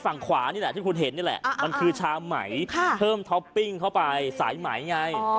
ฝั่งขวานี่แหละที่คุณเห็นนี่แหละมันคือชาไหมเพิ่มท็อปปิ้งเข้าไปสายไหมไง